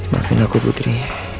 maafin aku putri